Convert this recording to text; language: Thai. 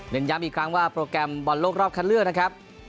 ย้ำอีกครั้งว่าโปรแกรมบอลโลกรอบคัดเลือกนะครับ